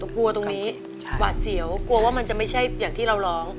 กลัวตรงนี้หวาดเสียวกลัวว่ามันจะไม่ใช่อย่างที่เราร้อง